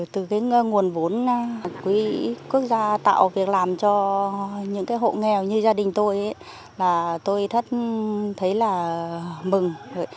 từ nguồn vốn quỹ quốc gia tạo việc làm cho những hộ nghèo như gia đình tôi tôi thật thấy mừng